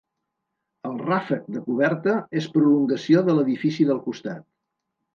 El ràfec de coberta és prolongació de l'edifici del costat.